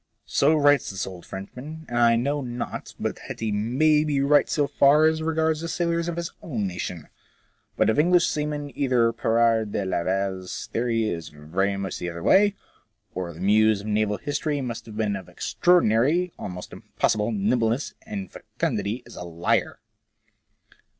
So writes this old Frenchfuan, and I know not but that he may be right so far as regards the sailors of his own nation. But of English seamen either Pirard de Laval's theory is very much the other way, or the muse of naval history must be of extraordinary, almost impossible, nimbleness and fecundity as a liar.